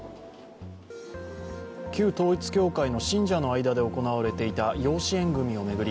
旧統一教会の信者の間で行われていた養子縁組みを巡り